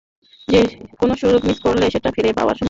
কোনো সুযোগ মিস করলে সেটা ফিরে পাওয়ার সম্ভাবনা ক্রমেই কমে আসছে।